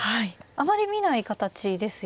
あまり見ない形ですよね。